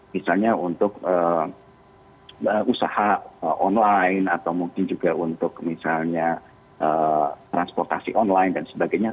misalnya untuk usaha online atau mungkin juga untuk misalnya transportasi online dan sebagainya